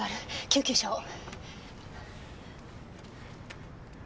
救急車を。